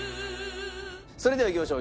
それではいきましょう。